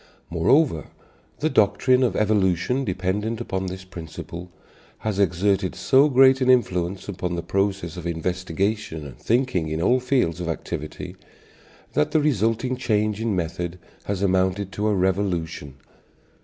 Moreover, the doctrine of evolution, dependent upon this principle, has exerted so great an influence upon the process of investigation and thinking in all fields of activity that the resulting change in method has amounted to a revolution.